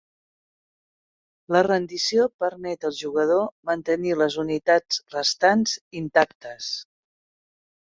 La rendició permet al jugador mantenir les unitats restants intactes.